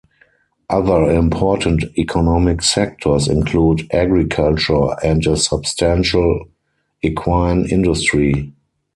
Other important economic sectors include agriculture and a substantial equine industry.